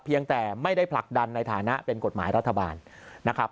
แต่ไม่ได้ผลักดันในฐานะเป็นกฎหมายรัฐบาลนะครับ